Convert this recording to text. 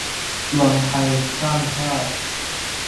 รวมไทยสร้างชาติ